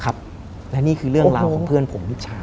ครับและนี่คือเรื่องราวของเพื่อนผมมิชา